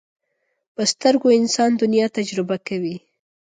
په سترګو انسان دنیا تجربه کوي